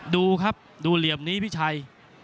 ดูครับดูเหลี่ยมนี้พี่ชัย